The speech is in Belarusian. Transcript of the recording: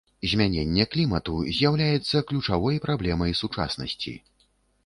Змяненне клімату з'яўляецца ключавой праблемай сучаснасці.